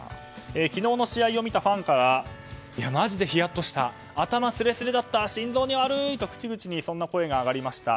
昨日の試合を見たファンからマジでヒヤッとした頭すれすれだった心臓に悪いと口々にそんな声が上がりました。